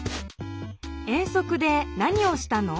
遠足で何をしたの？